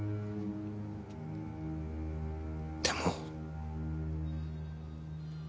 でも。